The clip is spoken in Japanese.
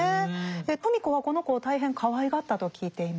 芙美子はこの子を大変かわいがったと聞いています。